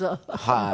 はい。